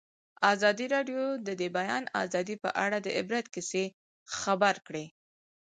ازادي راډیو د د بیان آزادي په اړه د عبرت کیسې خبر کړي.